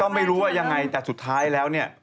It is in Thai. ก็ไม่รู้ว่ายังไงแต่สุดท้ายแล้วเนี่ย